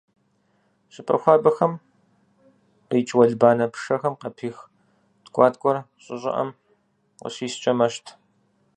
ЩӀыпӀэ хуабэхэм къикӀ уэлбанэ пшэхэм къапих ткӀуаткӀуэр щӀы щӀыӀэм къыщыскӀэ мэщт.